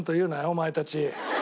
お前たち。